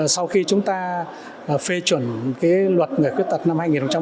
sau khi chúng ta phê chuẩn luật người khuyết tật năm hai nghìn một mươi bốn